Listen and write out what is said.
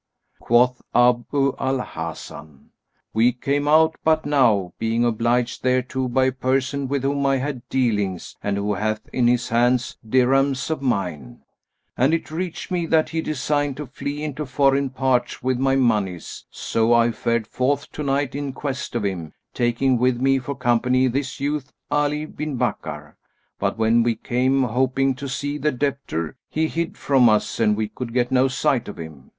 Quoth Abu al Hasan, "We came out but now, being obliged thereto by a person with whom I had dealings and who hath in his hands dirhams of mine. And it reached me that he designed to flee into foreign parts with my monies; so I fared forth to night in quest of him, taking with me for company this youth, Ali bin Bakkar; but, when we came hoping to see the debtor, he hid from us and we could get no sight of him.